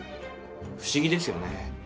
不思議ですよね。